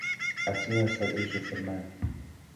ئەچینۆ سەر ئیش و فرمان